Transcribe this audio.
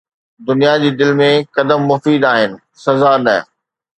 دنيا جي دل ۾، قدم مفيد آهن، سزا نه